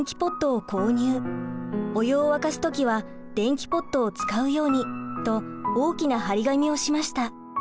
「お湯を沸かす時は電気ポットを使うように」と大きな張り紙をしました。